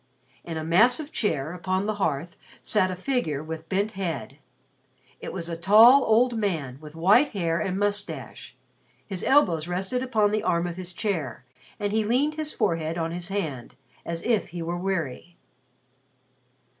In a massive chair upon the hearth sat a figure with bent head. It was a tall old man with white hair and moustache. His elbows rested upon the arm of his chair and he leaned his forehead on his hand as if he were weary.